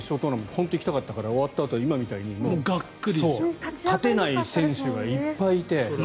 本当に行きたかったから終わったあと、今みたいに立てない選手がいっぱいいて。